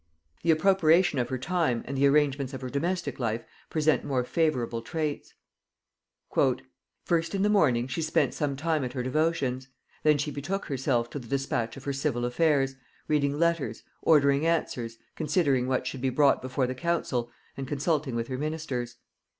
The appropriation of her time and the arrangements of her domestic life present more favorable traits. "First in the morning she spent some time at her devotions; then she betook herself to the dispatch of her civil affairs, reading letters, ordering answers, considering what should be brought before the council, and consulting with her ministers.